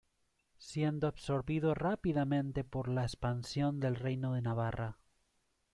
Siendo absorbido rápidamente por la expansión del Reino de Navarra.